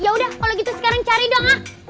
ya udah kalau gitu sekarang cari dong ak